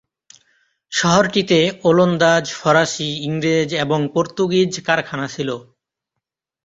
শহরটিতে ওলন্দাজ, ফরাসি, ইংরেজ এবং পর্তুগিজ কারখানা ছিল।